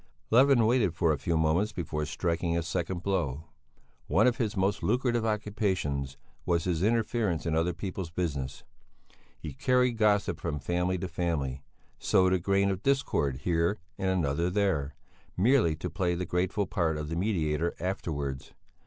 Levin waited for a few moments before striking a second blow. One of his most lucrative occupations was his interference in other people's business; he carried gossip from family to family; sowed a grain of discord here and another there, merely to play the grateful part of the mediator afterwards.